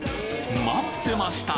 待ってました！